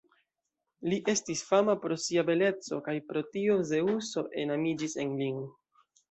Li estis fama pro sia beleco, kaj pro tio Zeŭso enamiĝis en lin.